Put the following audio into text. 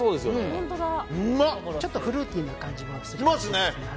ちょっとフルーティーな感じもする。